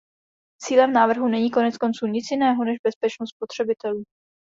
Cílem návrhu není koneckonců nic jiného než bezpečnost spotřebitelů.